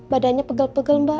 badannya pegel pegel mbak